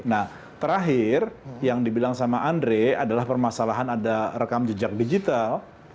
nah terakhir yang dibilang sama andre adalah permasalahan ada rekam jejak digital